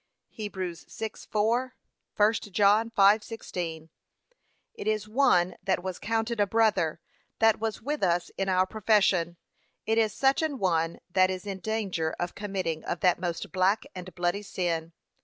(Heb. 6:4; 1 John 5:16) It is one that was counted a brother, that was with us in our profession: it is such an one that is in danger of committing of that most black and bloody sin.